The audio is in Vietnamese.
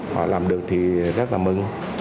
họ làm được thì rất là mừng